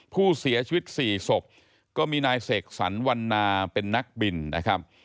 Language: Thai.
ผู้เสียชีวิต๔ศพก็มีนายเสกสรรวันนาเป็นนักบินนะครับ